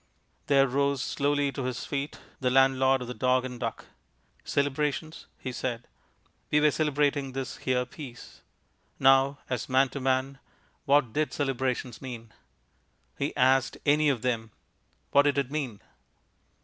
There rose slowly to his feet the landlord of the Dog and Duck. Celebrations, he said. We were celebrating this here peace. Now, as man to man, what did celebrations mean? He asked any of them. What did it mean?